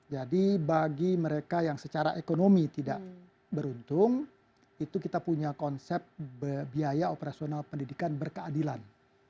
jadi bagi mereka yang secara ekonomi tidak beruntung itu kita punya konsep biaya operasional pendidikan berkeadilan